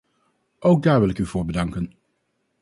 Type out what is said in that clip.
Ook daar wil ik u voor bedanken.